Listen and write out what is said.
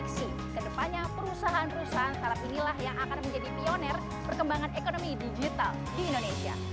kurang dari sepuluh tahun